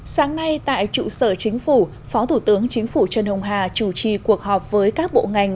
sáng nay tại trụ sở chính phủ phó thủ tướng chính phủ trần hồng hà chủ trì cuộc họp với các bộ ngành